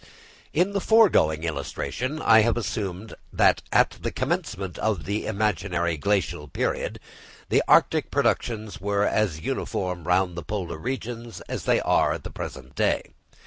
In the foregoing illustration, I have assumed that at the commencement of our imaginary Glacial period, the arctic productions were as uniform round the polar regions as they are at the present day.